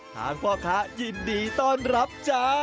พ่อค้ายินดีต้อนรับจ้า